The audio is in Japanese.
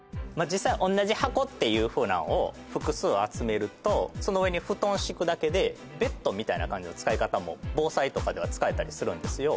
実際同じ箱っていうふうなんを複数集めるとその上に布団を敷くだけでベッドみたいな感じの使い方も防災とかでは使えたりするんですよ